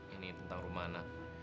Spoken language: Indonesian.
ini tentang rumana